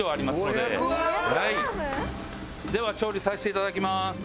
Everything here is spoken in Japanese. では調理させて頂きます。